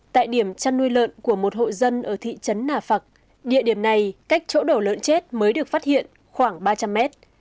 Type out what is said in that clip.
tại điểm chăn nuôi lợn của một hộ dân ở thị trấn nà phạc địa điểm này cách chỗ đổ lợn chết mới được phát hiện khoảng ba trăm linh mét